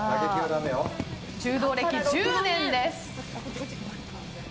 柔道歴１０年です。